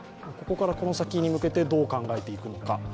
ここからこの先に向けて、どう考えていくのか。